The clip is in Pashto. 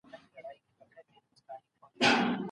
رحمان بابا د وحدت الوجود مفهوم په شعرونو کې بیان کړ.